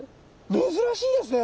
珍しいですね。